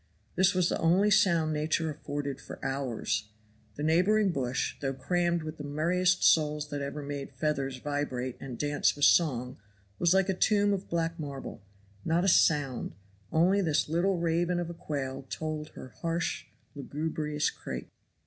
This was the only sound Nature afforded for hours. The neighboring bush, though crammed with the merriest souls that ever made feathers vibrate and dance with song, was like a tomb of black marble; not a sound only this little raven of a quail tolled her harsh, lugubrious crake.